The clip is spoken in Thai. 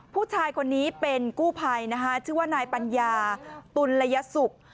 ผู้ชายคนนี้เป็นกู้ภัยนะคะชื่อว่านายปัญญาตุลยสุข